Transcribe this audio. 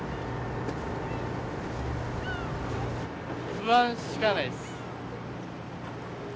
不安しかないです。